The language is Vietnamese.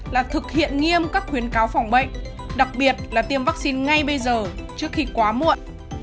là thực hiện nghiêm các khuyến cáo phòng bệnh đặc biệt là tiêm vaccine ngay bây giờ trước khi quá muộn